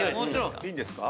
いいんですか？